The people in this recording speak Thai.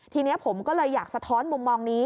ทีนี้ผมก็เลยอยากสะท้อนมุมมองนี้